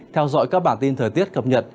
theo dõi các bản tin thời tiết cập nhật